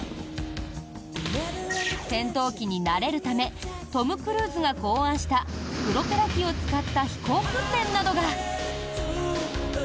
戦闘機に慣れるためトム・クルーズが考案したプロペラ機を使った飛行訓練などが。